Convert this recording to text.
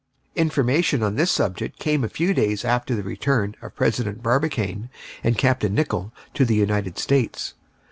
Information on this subject came a few days after the return of President Barbicane and Capt. Nicholl to the United States.